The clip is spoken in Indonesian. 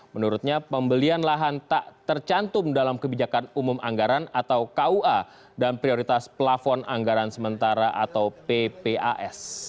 menurutnya pembelian lahan tak tercantum dalam kebijakan umum anggaran atau kua dan prioritas plafon anggaran sementara atau ppas